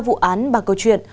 vụ án bà câu chuyện